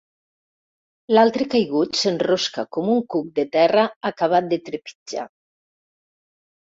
L'altre caigut s'enrosca com un cuc de terra acabat de trepitjar.